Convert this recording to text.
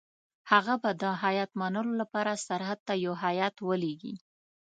هغه به د هیات منلو لپاره سرحد ته یو هیات ولېږي.